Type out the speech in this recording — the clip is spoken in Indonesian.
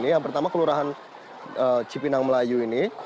yang pertama kelurahan cipinang melayu ini